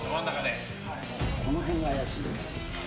この辺が怪しい。